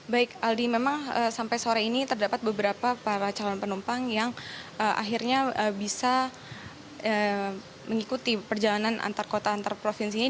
baik aldi memang sampai sore ini terdapat beberapa para calon penumpang yang akhirnya bisa mengikuti perjalanan antar kota antar provinsi ini